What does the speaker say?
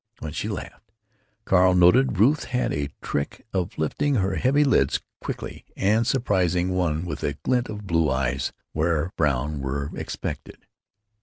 When she laughed, Carl noted, Ruth had a trick of lifting her heavy lids quickly, and surprising one with a glint of blue eyes where brown were expected.